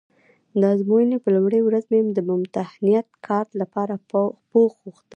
د ازموینې په لومړۍ ورځ مې د ممتحنیت کارت لپاره پوښ غوښته.